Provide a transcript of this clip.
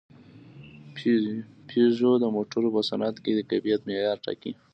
پيژو د موټرو په صنعت کې د کیفیت معیار ټاکي.